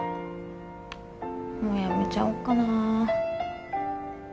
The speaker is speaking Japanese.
もう辞めちゃおうかな